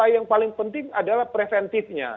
yang paling penting adalah preventifnya